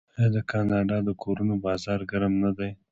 آیا د کاناډا د کورونو بازار ګرم نه دی؟